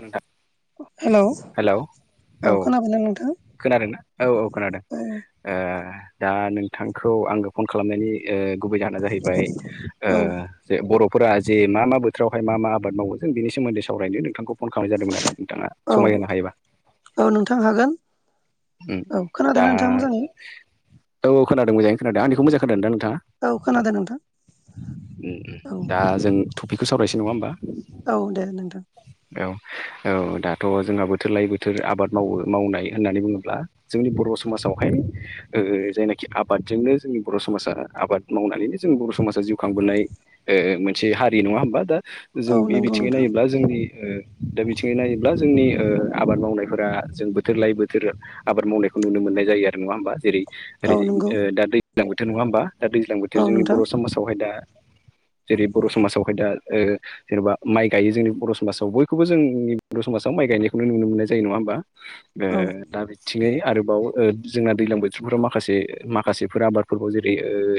नोंथां hello hello औ औ खोनाबायना नोंथां? खोनादोंना? औ औ खोनादों। औ ओ दा नोंथांखौ आङो फन खालामनायनि ओ गुबै जाहोना जाहैबाय ओ औ जे बर' फोरा जे मा मा बोथोरावहाय मा मा आबाद मावो जों बेनि सोमोन्दै सावरायनो नोंथांखौ फन खालामनाय जादोंमोन आरो नोंथाङा औ समाय होनो हायोबा। औ नोंथां हागोन उम औ दा खोनादोंना नोंथां मोजाङै औ औ खोनादों मोजाङै खोनादों। आंनिखौ मोजां खोनादोंना नोंथाङा? औ खोनादों नोंथां दा औ उम दा जों टपिकखौ सावरायसै नङा होमबा? औ दे नोंथां। औ औ दाथ' जोंहा बोथोर लायै बोथोर आबाद मावो मावनाय होननानै बुङो ब्ला जोंनि बर' समाजावहाय ओ जायनाखि आबादजोंनो जोंनि बर' समाजा आबाद माव नानैनो माने जों बर' समाजा जिउ खांबोनाय ओ मोनसे हारि नङा होनबा दा? जों औ बे नंगौ बिथिङै नोंथां नायोब्ला जोंनि ओ बे बिथिङै नायोब्ला जोंनि ओ आबाद मावनायफोरा जों बोथोर लायै बोथोर आबाद मावनायखौ नुनो मोननाय जायो आरो। नङा होमबा जेरै ओरै औ नंगौ दा दैज्लां बोथोर नङा होमबा? दा दैज्लां बोथोर औ जोंनि नोंथां बर' समाजावहाय दा जेरै बर' समाजावहाय दा ओ जेनेबा माइ गायो जोंनि बर' समाजाव बयखौबो जोंनि बर' समाजाव माइ गायनायखौनो नुनो मोननायो जायो नङा होमबा। औ दा बे बिथिङै आरोबाव जोंना दैज्लां बोथोरफोराव माखासे माखासेफोर आबादफोरखौ जेरै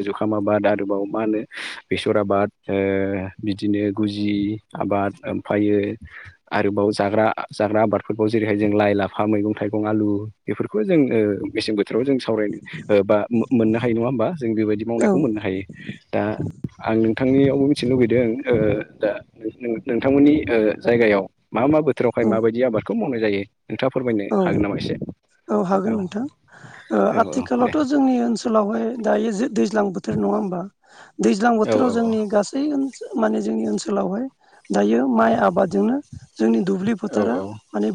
जुखाम आबाद आबाद आरोबाव मा होनो बेसर आबाद ओ बिदिनो गुजि आबाद ओमफ्रायो आरोबाव जाग्रा जाग्रा आबादफोरखौ जेरैहाय जों लाइ, लाफा, मैगं थाइगं, आलु बेफोरखौ जों ओ मेसें बोथोर जों सावरायनो बा मोननो हायो नङा होमबा। जों बेबायदि औ मावनायखौ मोननो हायो। दा आं नोंथांनियावबो मिथिनो लुबैदों ओ दा नोंथांमोननि ओ जायगायाव मा मा बोथोरावहाय औ माबायदि आबादखौ मावनाय जायो। नोंथाङा फोरमायनो औ हागोन नामा एसे? औ हागोन नोंथां औ औ दे आथिखालावथ' जोंनि ओनसोलावहाय दायो जों दैज्लां बोथोर नङा होमबा दैज्लां औ बोथोराव औ जोंनि गासै माने जोंनि ओनसोलावहाय दायो माइ आबादजोंनो जोंनि दुब्लि फोथारा औ औ माने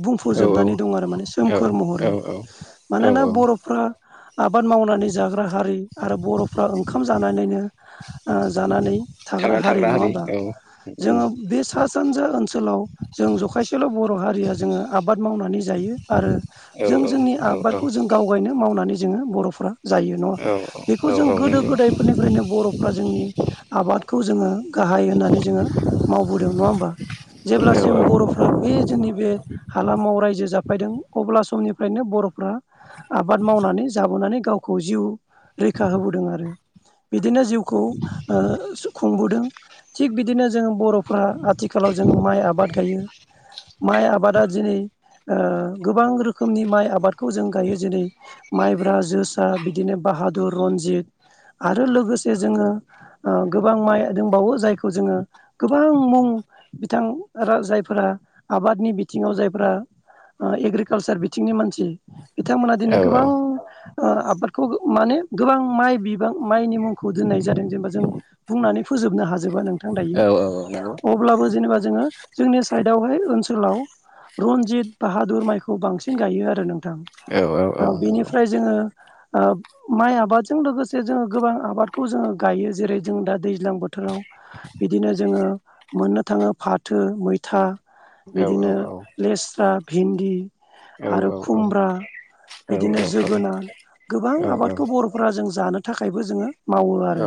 औ बुंफुजोबनानै दं आरो माने सोमखोर औ महरै। औ मानोना औ बर'फ्रा आबाद मावनानै जाग्रा हारि आरो बर'फ्रा ओंखाम जानानैनो जानानै थाग्रा हारि नङा होनबा। औ जोङो बे सा सानजा ओनसोलाव जों जखायसेल' बर' हारिया जोङो आबाद मावनानै थायो आरो औ जों औ जोंनि आबादखौ औ जों गावगायनो मावनानै जोङो बर'फ्रा जायो नङा होनबा औ बेखौ औ जों औ गोदो नंगौ गोदायफोरनिफ्रायनो बर'फ्रा जोंनि आबादखौ जोङो गाहाय होननानै जोङो मावबोदों नङा होमबा। औ जेब्लासिम औ बर'फ्रा बे जोंनि बे हालामाव रायजो जा [unintelligible] बोदों अब्ला समनिफ्रायनो बर'फ्रा आबाद मावनानै जाबोनानै गावखौ जिउ रैखा होबोदों आरो। बिदिनो जिउखौ खुंबोदों थिग बिदिनो जोङो बर'फ्रा आथिखालाव जों माइ आबाद गायो। माइ आबादा दिनै गोबां रोखोमनि माइ आबादखौ जों गायो जेरै- माइब्रा, जोसा बिदिनो बाहा दुर, रनजित आरो लोगोसे जोङो गोबां माइ दंबावो जायखौ जोङो गोबां मुं बिथां जायफोरा आबादनि बिथिङाव जायफोरा एग्रिकालसार बिथिंनि मानसि बिथांमोना औ नंगौ औ नंगौ औ उम औ दिनै गोबां आबादखौ माने गोबां माइ बिबां माइनि मुंखौ दोननाय जादों। जेनेबा जों बुंनानै फो जोबनो हाजोबा नोंथां। दायो औ औ औ। अब्लाबो जेनेबा जोङो जोंनि साइडआवहाय ओनसोलाव रनजित बाहादुर माइखौ बांसिन गायो आरो नोंथां बेनिफ्राय जोङो ओ माइ आबादजों लोगोसे जोङो गोबां आबादखौ जोङो गायो जेरै जों दा दैज्लां बोथोराव बिदिनो जोङो मोननो थाङो फाथो मैथा बिदिनो लेस्रा भिन्दि आरो खुमब्रा बिदिनो जोगोनार गोबां आबादखौ बर'फोरा जों जानो थाखायबो जोङो मावो आरो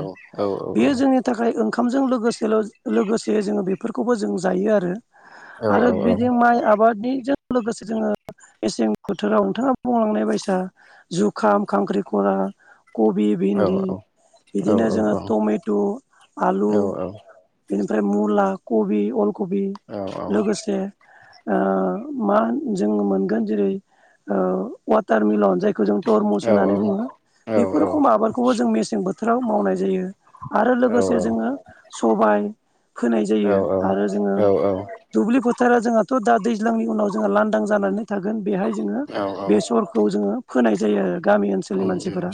बेयो जोंनि थाखाय ओंखामजों लोगोसेल' लोगोसे जोङो बेफोरखौबो जों जायो आरो आरो बिदि माइ आबादनिजों लोगोसे जोङो मेसें बोथोराव नोंथाङा बुंलांनाय बायसा जुखाम खांख्रि खला कबि, भिन्दि बिदिनो जोङो टमेट', आलु बेनिफ्राय मुला, कबि, अल कबि लोगोसे ओ मा जोङ मोनगोन जेरै ओ वाटार मिलन जायखौ जों टरमुस होननानै बुङो बेफोर खम आबादखौबो जों मेसें बोथोराव मावनाय जायो आरो लोगोसे जोङो सबाय फोनाय जायो आरो जोङो औ दुब्लि फोथारा जोंहाथ' दा दै लांनि उनाव जोङो लांदां जानानै थागोन बेहाय जोङो बे सरखौ जोङो फोनाय जायो आरो गामि ओ ओनसोलनि मानसिफोरा।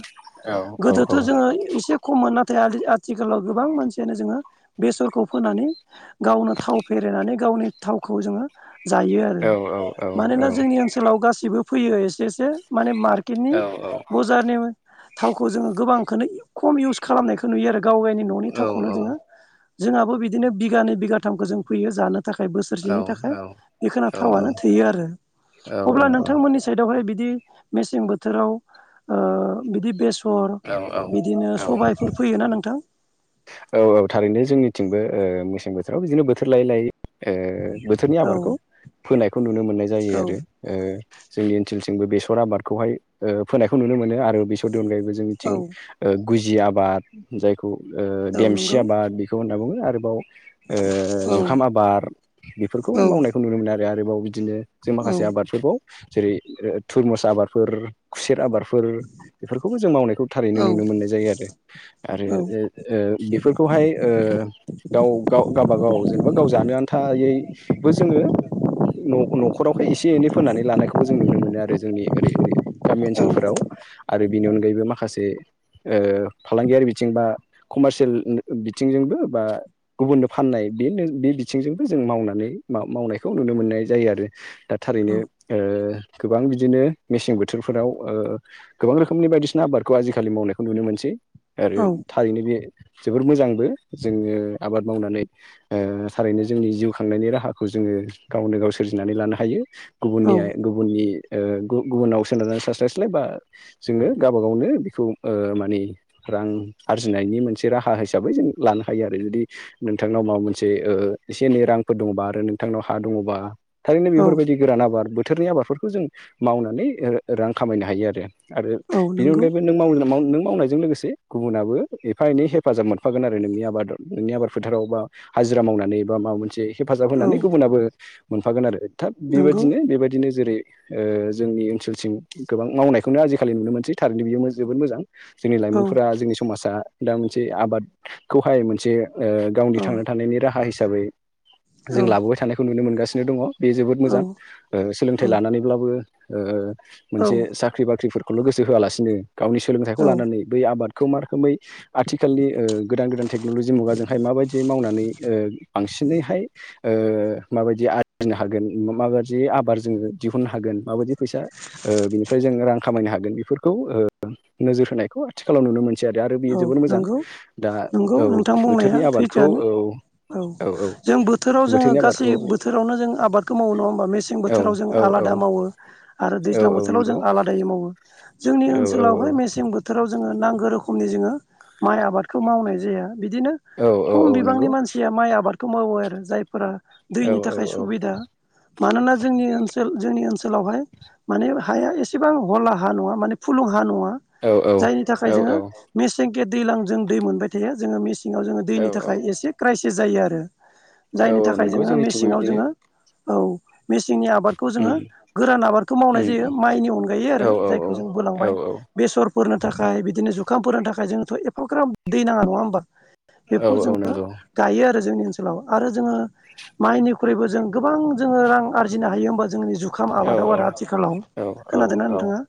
गोदोथ' जोङो एसे खममोन नाथाय आदि आथिखालाव गोबां मानसियानो जोङो बेसरखौ फो नानै गावनो थाव फेरेनानै गावनि थावखौ जोङो जायो आरो मानोना जोंनि ओनसोलाव गासिबो फैयो एसे एसे माने मार्केटनि बजारनि थावखौ जोङो गोबांखौनो खम इउस खालामनायखौ नुयो आरो गाव गावनि न'नि थावखौनो जोङो जोंहाबो बिदिनो बिगानै बिगाथामखौ जों फैयो जानो थाखाय बोसोरसेनि थाखाय बेखोना थावानो थैयो आरो अब्ला नोंथांमोननि साइडआवहाय बिदि मेसें बोथोराव ओ बिदि बेसर औ बिदिनो सबायफोर फैयोना नोंथां? औ औ थारैनो जोंनिथिंबो मेसें बोथोराव बिदिनो बोथोर लायै लायै ओ बोथोरनि औ आबादखौ फोनायखौ नुनो मोननाय जायो औ आरो ओ जोंनि ओनसोलथिंबो बेसर आबादखौहाय ओ फोनायखौ नुनो मोनो आरो बेसर बेनि अनगायैबो औ जोंनिथिं गुजि आबाद जायखौ ओ औ देल खुसि नंगौ आबाद बेखौ होनना बुङो आरोबाव ओ औ जुखाम आबाद बेफोरखौहाय औ मावनायखौ नुनो मोनो आरो आरोबाव बिदिनो जों औ माखासे आबादफोरखौ जेरै थुरमुस आबादफोर खुसेर आबाद फोर बेफोरखौबो जों मावनायखौ थारैनो नुनो मोननाय जायो आरो औ आरो ओ बेफोरखौहाय ओ गाव गाव गावाबागाव जेनेबा गाव जानो आन्थायैबो जोङो न'-न'खरावहाय एसे एनै फोनानै लानायखौबो जों नुनो मोनो आरो जोंनि ओरै ओरै गामि ओनसोलफोराव आरो बिनि अनगायैबो माखासे ओ फालांगियारि बिथिं बा कमारसियेल बिथिंजोंबो बा गुबुननो फाननाय बेनो बे बिथिंजोंबो जों मावनानै मावनायखौ नुनो मोननाय जायो आरो दा थारैनो औ ओ गोबां बिदिनो मेसें बोथोरफोराव ओ गोबां रोखोमनि बायदिसिना आबादखौ आजिखालि मावनायखौ नुनो मोनसै आरो थारैनो बे जोबोर मोजांबो जोङो आबाद मावनानै ओ थारैनो जोंनि जिउ खांनायनि राहाखौ जोङो गावनो गाव सोरजिनानै लानो हायो औ गुबुननिया गुबुननि ओ गुबु-गुबुनाव सोनारनानै थास्लायस्लाय बा जोङो गावबा गावनो बेखौ ओ माने रां आरजिनायनि मोन मोनसे राहा हिसाबै जों लानो हायो आरो जुदि नोंथांनाव माबा मोनसे ओ एसे एनै रांफोर दंबा आरो नोंथांनाव हा दङबा थारैनो औ बेफोरबायदि गोरान आबाद बोथोरनि आबादफोरखौ जों मावनानै ओ रां खामायनो हायो आरो आरो औ बेनि नंगौ अनगायैबो नों मावनो मावनो नों मावनायजों लोगोसे गुबुनाबो ओ एफा एनै हेफाजाब मोनफागोन आरो नोंनि आबाद नोंनि आबाद फोथाराव बा हाजिरा मावनानै बा माबा मोनसे हेफाजाब औ होनानै गुबुनाबो मोनफागोन आरो थाब नंगौ बेबायदिनो बेबायदिनो जेरै जोंनि ओनसोलसिम गोबां मावनायखौनो आजिखालि नुनो मोनसै थारैनो बियो जोबोद मोजां जोंनि औ लाइमोनफोरा जोंनि समाजा दा मोनसे आबादखौहाय मोनसे गावनि औ थांना थानायनि राहा हिसाबै औ जों लाबोबाय थानायखौ नुनो मोनगासिनो दङ बे जोबोद औ मोजां सोलोंथाइ लानानैब्लाबो औ मोनसे साख्रि बाख्रिफोर नो गोसो होआलासिनो गावनि सोलोंथाइखौ औ लानानै बै आबादखौ मा रोखोमै आथिखालनि गोदान गोदान टेक्न'लजि मुगाजोंहाय माबायदि मावनानै बांसिनैहाय माबायदि आरजिनो हागोन माबायदि आबाद जोङो दिहुननो हागोन माबायदि फैसा बिनिफ्राय जों रां खामायनो हागोन बेफोरखौ नोजोर होनायखौ आथिखालाव नुनो मोनसै आरो आरो बियो औ जोबोर मोजां नंगौ दा नंगौ औ नोंथां बुंनाया बोथोरनि आबादखौ सैथोआनो औ औ जों बोथोराव जोङो बोथोरनि गासै आबादखौ बोथोरावनो जों आबादखौ मावो नङा होमबा मेसें औ बोथोराव जों औ आला औ आलादा मावो आरो औ दैज्लां औ बोथोराव नंगौ जों आलादायै मावो जोंनि औ औ ओनसोलावहाय मेसें बोथोराव जोङो नांगौ रोखोम जोङो माइ आबादखौ मावनाय जाया बिदिनो औ औ खम औ बिबांनि नंगौ मानसिया माइ आबाद मावो आरो जायफोरा औ दैनि थाखाय औ सुबिदा मानोना जोंनि ओनसोल ओ जोंनि ओनसोलावहाय माने हाया एसेबां हला हा नङा माने फुलुं हा नङा औ औ जायनि थाखाय जोङो मेसेंके दैजलां जों दै मोनबाय थायो जोङो मेसेङाव जोङो औ दैनि थाखाय एसे क्राइसिस जायो आरो। औ जायनि औ थाखाय नंगौ जोङो जोंनिथिंबो मेसेङाव बिदिनो जोङो औ। मेसेंनि आबादखौ जोङो उम गोरान आबादखौ मावनाय उम जायो माइनि अनगायै औ आरो औ औ जायखौ जों औ बोलांबाय। बेसरफोरनो थाखाय बिदिनो जु फोरनो थाखाय जोङोथ' एफा ग्राब दै नाङा नङा होमबा औ बेखौ औ जोङो नंगौ गायो आरो। जोंनि ओनसोलाव आरो जोङो माइनिख्रुइबो जों गोबां जोङो रां आरजिनो हायो हबा ज जोंनि जुखाम औ आबादाव आरो आथिखालाव औ औ खोनादोंना औ नोंथाङा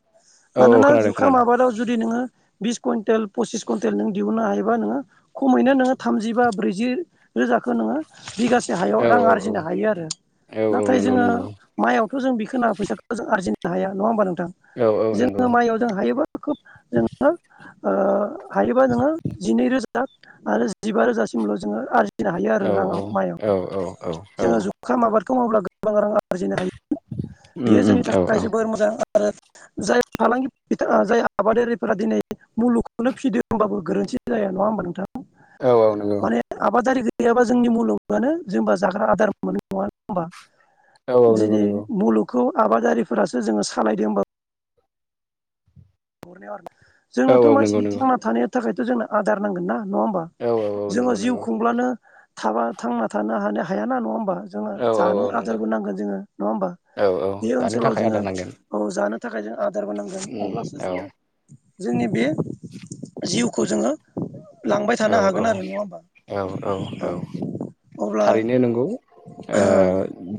औ मानोना खोनादों जुखाम खोनादों आबादाव जुदि नोङो बिस कुइन्टेल पसिस कुइन्टेल नों दिहुननो हायोबा नोङो खमैनो नोङो थामजि बा ब्रैजि रोजा नोङो बिगासे हायाव औ रां औ आरजिनो हायो आरो औ औ नाथाय नंगौ जोङो नंगौ माइयाव बेखौ जों बिखौ फैसाखौ जों आरजिनो हाया नङा होमबा नोंथां औ औ नंगौ जोङो माइआव जों हायोबा खोब जों हायोबा जोङो जिनै रोजा आरो जिबा रोजासिमल' जोङो आरज फिनो हायो आरो औ राङाव माइआव औ औ औ औ जोङो जुखाम आबाद गोबां रां आरजिनो हायो उम बेयो उम जोंनि औ थाखाय औ जोबोर मोजां आरो जाय फालांगि जाय आबादारि सा दिनै मुलुगखौनो फिदों होनोमबाबो गोरोन्थि‌ जाया नङा होमबा नोंथाङा औ औ नंगौ माने आबादारि गैयाबा जोंनि मुलुगानो जेबा जाग्रा आदार मोनो नङा होनोमबा औ औ नंगौ दिनै नंगौ मुलुगखौ आबादारिफोरासो जोङो सालायदों होमबाबो नुहुरनायाव आरो औ जोंनोथ' औ नंगौ मानसिनि नंगौ थांना थानायनि थाखायथ' जोंनो आदार नांगोन ना नङा होमबा औ औ औ जोङो नंगौ जिउ नंगौ खुंब्लानो थाबा थांना थानो हानो हायााना नङा होमबा जोङो औ औ जानो औ नंगौ आदारबो नांगोन जोङो नङा होनबा औ औ बे जानो ओनसोलाव थाखाय जोङो आदार नांगोन औ जानो थाखाय जों आदारबो नांगोन उम अब्लासो औ जोङो जोंनि बे जिउखौ जोङो लांबाय औ थानो औ हागोन आरो नङा होमबा औ औ औ अब्ला थारैनो नंगौ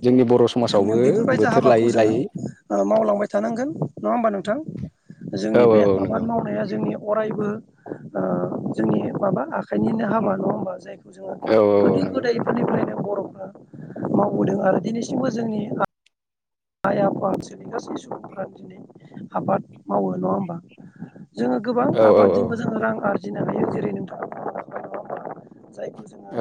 जोंनि ओ बर' स जोंनियाव बेफोरबायदि हाबाखौ जोङो ओ मावलांबाय थानांगोन नङा होमबा नों थां औ जोंनि औ बे औ आबाद नंगौ मावनाया जोंनियाव अरायबो ओ जोंनि माबा आखाइनिनो हाबा नङा होमबा जायखौ जोंना औ औ औ गोदो नंगौ गोदाय फोरनिफ्रायनो बर'फ्रा मावबोदों आरो दिनैस सिमबो जोंनि आइ आफा ओनसोलनि गासै सुबुंफोरानो दिनै आबाद मावो नङा होमबा ‌? जोङो गोबां औ औ औ आबादजोंबो जोङो रां आरजिनो हायो, जेरै नोंथाङा बुंलांबाय नङा होमबा? जायखौ जोङो औ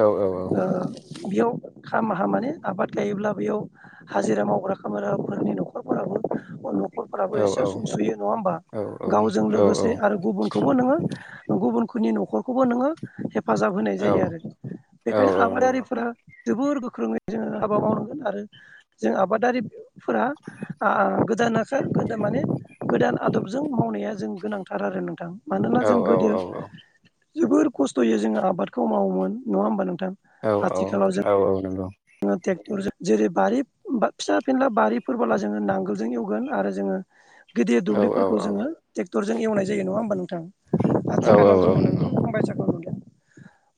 ओ बेयाव खाम हा माने आबाद गायोब्ला बेयाव हाजिरा मावग्रा खामरा फोरनि न'खरफोराबो न'खरफ्राराबो औ एसे सुंसुयो नङा होमबा? औ गावजों लोगोसे आरो गुबुनखौबो नोङो गुबुनखुनि न'खरखौबो नोङो हेफाजाब होनाय औ जायो आरो। बेखायनो औ औ नंगौ आबादारिफोरा जोबोर गोख्रोङै जोङो हाबा मावनांगोन आरो जों आबादारिफोरा आ आ गोदान अखा गोदान माने गोदान आदबजों मावनाया जों गोनांथार आरो नोंथां। मानोना औ जों औ औ गोदो औ नंगौ औ नंगौ जोबोर खस्थ'यै जोङो आबादखौ मावोमोन नङा होमबा नों थां औ आथिखालाव जोङो टेक टरजों जेरै बारि फिसा फेनला बारिफोरबोला जोङो नांगोलजों एवगोन आरो जोङो गिदिर दुब्लिफोरखौ जोङो टेक्टरजों एवनाय जायो नङा होमबा नोंथां? आथिखालाव जोङो खमबाय जागोन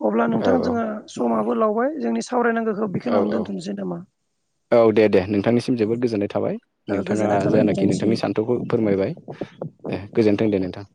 अब्ला नोंथां जोङो समाबो लावबाय जोंनि सावरायनांगौखौ औ बेखावनो औ दोन्थ'नोसै नामा? औ दे दे नोंथांनिसिम जोबोद गोजोन्नाय थाबाय नोंथाङा गोजोननाय थाबाय जानाखि नोंथांनिसिम नोंथांनि सान्थौखौ फोरमायबाय। ए गोजोन्थों दे नोंथां ‌।